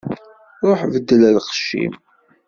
Ṛuḥ beddel lqecc-im.